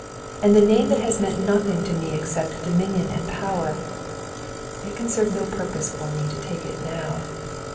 And the name that has meant nothing to me except dominion and power, it can serve no purpose for me to take it now.